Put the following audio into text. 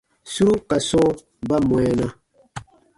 Suru ka sɔ̃ɔ ba mwɛɛna.